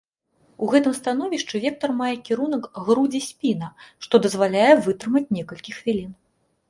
У гэтым становішчы вектар мае кірунак грудзі-спіна, што дазваляе вытрымаць некалькі хвілін.